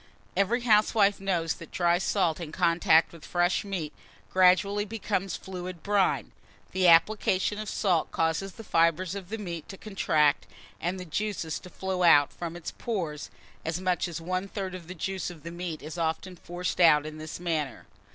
Every housewife knows that dry salt in contact with fresh meat gradually becomes fluid brine. The application of salt causes the fibres of the meat to contract, and the juice to flow out from its pores: as much as one third of the juice of the meat is often forced out in this manner.